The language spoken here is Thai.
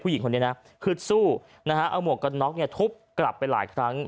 ผู้หญิงคนนี้นะฮึดสู้นะฮะเอาหมวกกันน็อกทุบกลับไปหลายครั้ง